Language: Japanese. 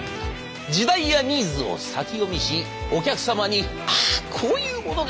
時代やニーズを先読みしお客様に「あこういうものが欲しかった」